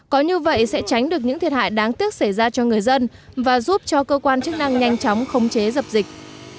có như vậy sẽ tránh được những thiệt hại đáng tiếc xảy ra cho người dân và giúp cho cơ quan chức năng nhanh chóng khống chế dập dịch